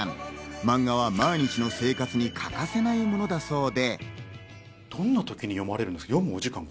マンガは毎日の生活に欠かせないものだそうで。